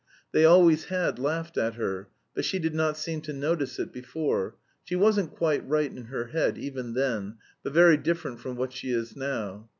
They always had laughed at her, but she did not seem to notice it before. She wasn't quite right in her head even then, but very different from what she is now.